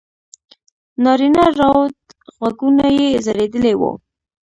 نارینه راووت غوږونه یې ځړېدلي وو.